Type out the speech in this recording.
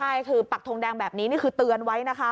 ใช่คือปักทงแดงแบบนี้นี่คือเตือนไว้นะคะ